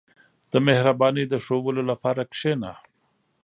• د مهربانۍ د ښوودلو لپاره کښېنه.